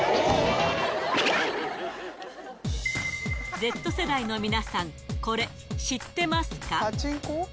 Ｚ世代の皆さん、これ、知ってますか？